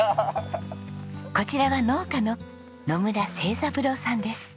こちらは農家の野村成三郎さんです。